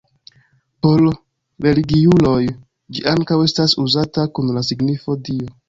Por religiuloj ĝi ankaŭ estas uzata kun la signifo Dio.